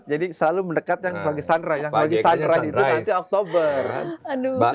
jadi selalu mendekat yang lagi sunrise yang lagi sunrise itu nanti oktober